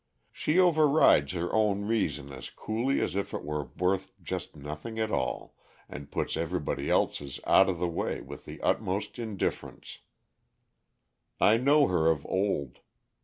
She overrides her own reason as coolly as if it were worth just nothing at all, and puts everybody else's out of the way with the utmost indifference. I know her of old.